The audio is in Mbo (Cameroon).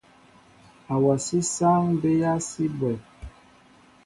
Awasí sááŋ bɛa si bwéém.